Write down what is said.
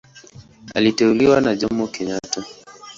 Aliteuliwa na Jomo Kenyatta.